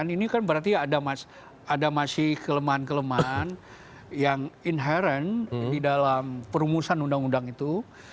ini kan berarti ada masih kelemahan kelemahan yang inherent di dalam perumusan undang undang itu